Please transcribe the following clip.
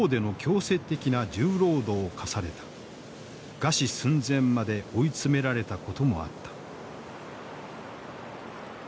餓死寸前まで追い詰められたこともあった。